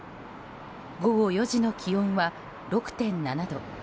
午後４時の気温は６．７度。